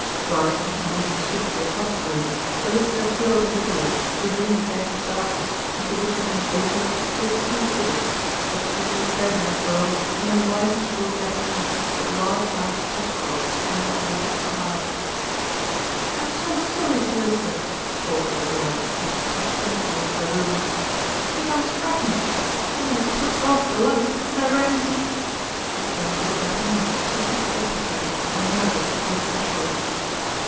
Rising and moving swiftly across the room, Sir Lyster threw open the door, revealing a gap of darkness into which a moment later slid two figures, a pretty, fair haired girl and a wizened little Japanese with large round spectacles and an automatic smile. "I'm so sorry, Sir Lysier," faltered the girl, as she stepped timidly into the room, "but I was frightened. Someone had switched off the lights and I ran into " She turned to the Japanese, who stood deprecating and nervous on the threshold.